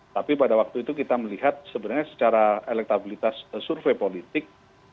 tapi pada waktu itu kita melihat sebenarnya secara elektabilitas survei politik